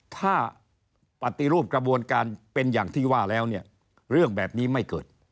ถ้าปฏิรูปกระบวนการเป็นอย่างที่ว่าแล้วเนี่ยเรื่องแบบนี้ไม่เกิด